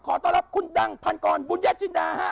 ขอต้อนรับคุณดังพันกรบุญญาจินดาฮะ